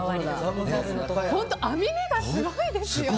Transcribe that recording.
本当、編み目がすごいですよね。